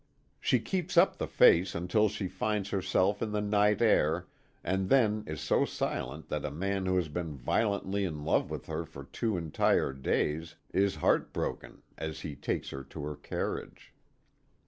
She keeps up the farce until she finds herself in the night air, and then is so silent that a man who has been violently in love with her for two entire days, is heart broken as he takes her to her carriage.